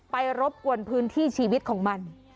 รบกวนพื้นที่ชีวิตของมัน